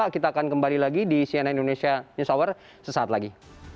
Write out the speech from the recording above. kita akan kembali lagi di cnn indonesia news hour sesaat lagi